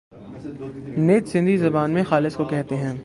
نج سندھی زبان میں خالص کوکہتے ہیں۔